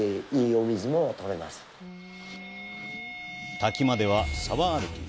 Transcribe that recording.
滝までは沢歩き。